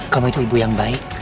kamu itu ibu yang baik